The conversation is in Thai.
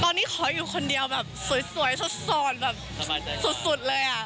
ตอนนี้ขออยู่คนเดียวแบบสวยสดแบบสุดเลยอ่ะ